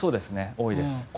多いです。